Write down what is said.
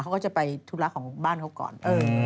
เขาก็จะไปทุกรัฐของบ้านเขาก่อนอืม